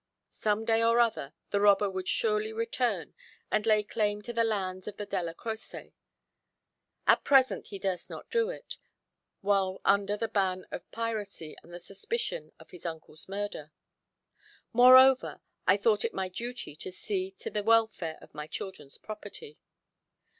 Some day or other the robber would surely return and lay claim to the lands of the Della Croce. At present he durst not do it, while under the ban of piracy and the suspicion of his uncle's murder. Moreover, I thought it my duty to see to the welfare of my children's property.